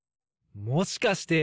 もしかして。